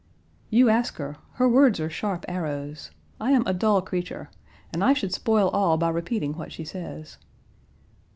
"You ask her. Her words are sharp arrows. I am a dull creature, and I should spoil all by repeating what she says."